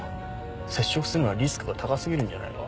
接触するのはリスクが高過ぎるんじゃないか？